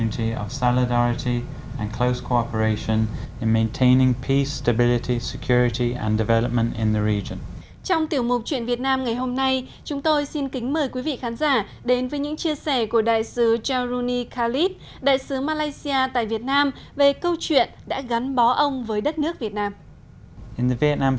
trong tiểu mục chuyện việt nam ngày hôm nay chúng tôi xin kính mời quý vị khán giả đến với những chia sẻ của đại sứ jaoruni khalid đại sứ malaysia tại việt nam về câu chuyện đã gắn bó ông với đất nước việt nam